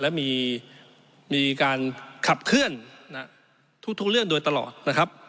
และมีการขับเคลื่อนทุกเรื่องโดยตลอดนะครับ